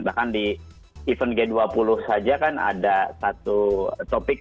bahkan di event g dua puluh saja kan ada satu topik